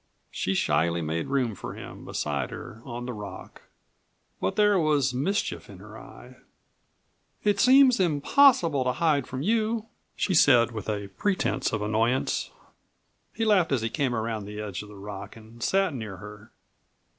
She shyly made room for him beside her on the rock, but there was mischief in her eye. "It seems impossible to hide from you," she said with a pretense of annoyance. He laughed as he came around the edge of the rock and sat near her.